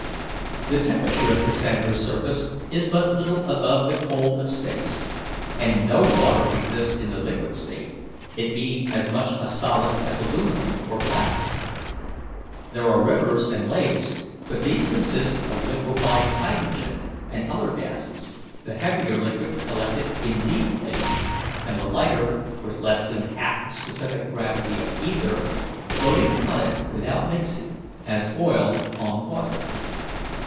The temperature at Cassandra's surface is but little above the cold of space, and no water exists in the liquid state, it being as much a solid as aluminum or glass. There are rivers and lakes, but these consist of liquefied hydrogen and other gases, the heavier liquid collected in deep Places, and the lighter, with less than half the specific gravity of ether, floating upon it without mixing, as oil on water.